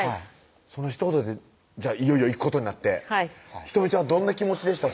そのひと言でいよいよ行くことになって仁美ちゃんはどんな気持ちでした？